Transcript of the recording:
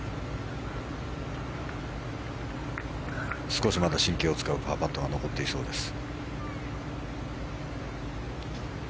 少しまだ神経を使うパーパットが残っていそうです。